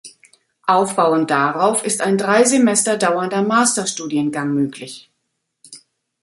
Aufbauend darauf ist ein drei Semester dauernder Masterstudiengang möglich.